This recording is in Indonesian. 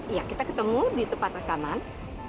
iya kita ketemu di tempat rekaman